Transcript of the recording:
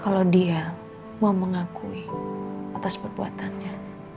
kalau dia mau mengakui atas perbuatannya